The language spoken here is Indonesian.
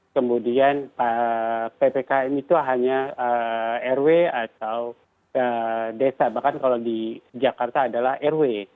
kemudian ppkm itu hanya rw atau desa bahkan kalau di jakarta adalah rw